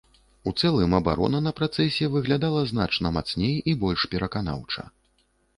У цэлым абарона на працэсе выглядала значна мацней і больш пераканаўча.